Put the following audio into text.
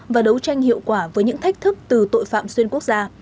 và đấu tranh hiệu quả với những thách thức từ tội phạm xuyên quốc gia